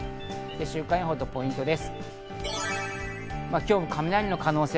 週間予報とポイントです。